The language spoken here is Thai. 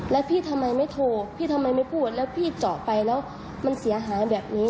แล้วพี่ทำไมไม่โทรพี่ทำไมไม่พูดแล้วพี่เจาะไปแล้วมันเสียหายแบบนี้